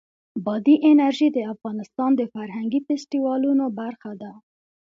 بادي انرژي د افغانستان د فرهنګي فستیوالونو برخه ده.